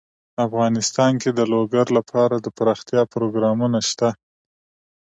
افغانستان کې د لوگر لپاره دپرمختیا پروګرامونه شته.